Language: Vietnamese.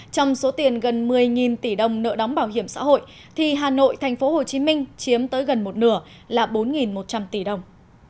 trong số tiền gần một mươi tỷ đồng nợ đóng bảo hiểm xã hội thì hà nội tp hcm chiếm tới gần một nửa là bốn một trăm linh tỷ đồng